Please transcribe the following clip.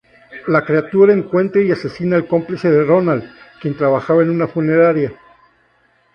La criatura encuentra y asesina al cómplice de Ronald, quien trabajaba en una funeraria.